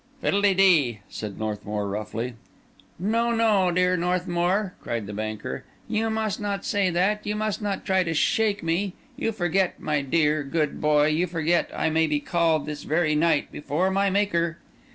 "Fiddle de dee!" said Northmour roughly. "No, no, dear Northmour!" cried the banker. "You must not say that; you must not try to shake me. You forget, my dear, good boy, you forget I may be called this very night before my Maker."